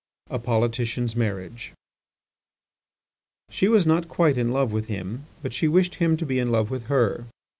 IV. A POLITICIAN'S MARRIAGE She was not quite in love with him, but she wished him to be in love with her.